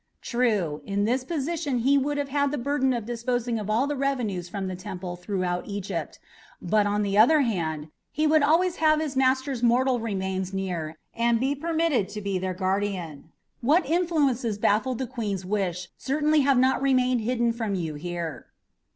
True, in this position he would have had the burden of disposing of all the revenues from the temples throughout Egypt; but, on the other hand, he would always have his master's mortal remains near and be permitted to be their guardian. What influences baffled the Queen's wish certainly have not remained hidden from you here."